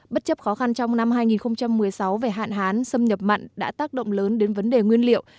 bất chấp khó khăn trong năm hai nghìn một mươi sáu về hạn hán xâm nhập mặn đã tác động lớn đến vấn đề nguyên liệu